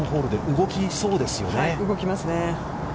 動きますね。